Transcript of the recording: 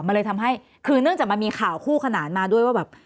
มันเลยทำให้คือเนื่องจากมันมีข่าวคู่ขนานมาด้วยว่าแบบ